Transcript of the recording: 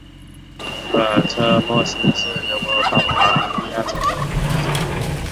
苏尔策莫斯是德国巴伐利亚州的一个市镇。